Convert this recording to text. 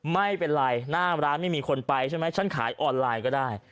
ไม่เป็นไรหน้าร้านไม่มีคนไปใช่ไหมฉันขายออนไลน์ก็ได้